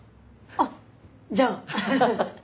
あっじゃあ。